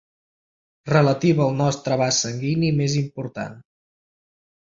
Relativa al nostre vas sanguini més important.